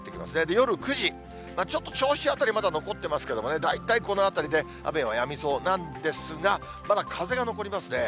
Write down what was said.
夜９時、ちょっと銚子辺り残ってますけれどもね、大体このあたりで雨はやみそうなんですが、まだ風が残りますね。